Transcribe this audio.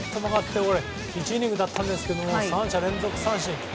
１イニングだったんですけど３者連続三振。